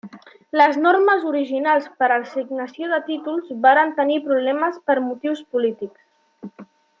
Les normes originals per a l'assignació de títols varen tenir problemes per motius polítics.